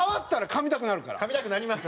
かみたくなります。